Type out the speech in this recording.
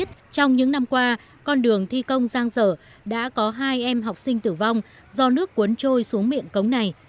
trong những năm qua con đường thi công giang dở đã có hai em học sinh tử vong do nước cuốn trôi xuống miệng cống này